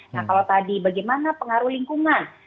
nah kalau tadi bagaimana pengaruh lingkungan